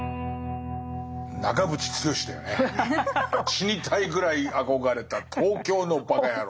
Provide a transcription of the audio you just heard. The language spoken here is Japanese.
死にたいぐらい憧れた東京のバカヤロー。